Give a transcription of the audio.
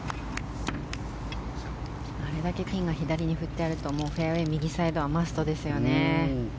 あれだけピンが左に振ってあるとフェアウェー右サイドはマストですよね。